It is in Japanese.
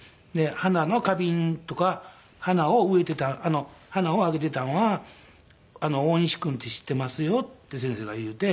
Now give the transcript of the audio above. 「花の花瓶とか花をあげてたんは大西君って知ってますよ」って先生が言うて。